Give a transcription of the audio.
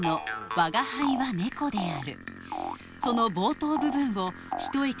「吾輩は猫である。